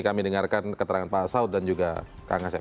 kami dengarkan keterangan pak asaud dan juga kak angasya